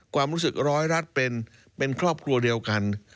ความรู้สึกร้อยรัฐเป็นครอบครัวเดียวกัน